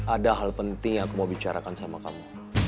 ada hal penting yang aku mau bicarakan sama kamu